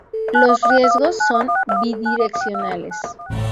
Los riesgos son bidireccionales.